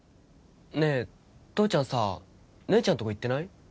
ねえ父ちゃんさ姉ちゃんとこ行ってない？